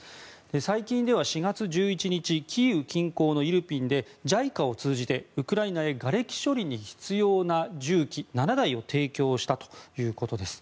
最近では４月１１日キーウ近郊のイルピンでＪＩＣＡを通じてウクライナへがれき処理に必要な重機７台を提供したということです。